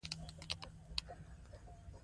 راځئ چې دا حقیقت ټولو ته ورسوو.